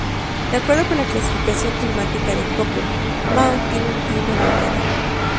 De acuerdo con la clasificación climática de Koppen, Mahón tiene un clima mediterráneo.